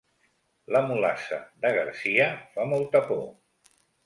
La mulassa de Garcia fa molta por